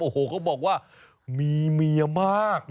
โอ้โหเขาบอกว่ามีเมียมาก